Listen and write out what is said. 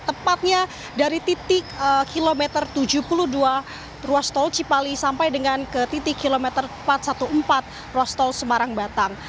tepatnya dari titik kilometer tujuh puluh dua ruas tol cipali sampai dengan ke titik kilometer empat ratus empat belas ruas tol semarang batang